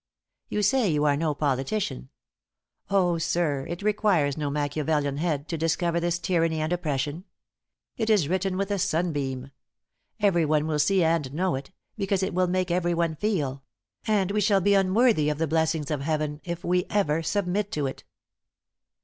You say you are no politician. Oh, sir, it requires no Machiavelian head to discover this tyranny and oppression. It is written with a sunbeam. Everyone will see and know it, because it will make everyone feel; and we shall be unworthy of the blessings of Heaven if we ever submit to it....